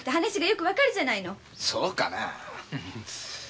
そうかなぁ。